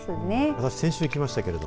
私、先週行きましたけれども。